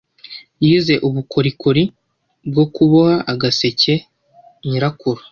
Yize ubukorikori bwo kuboha agaseke nyirakuru.